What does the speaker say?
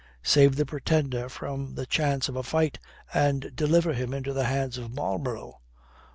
Save the Pretender from the chance of a fight and deliver him into the hands of Marlborough!